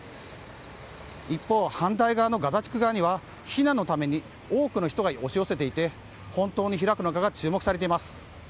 一方、反対側のガザ地区側には避難のために多くの人が押し寄せていて本当に開くのかが注目されています。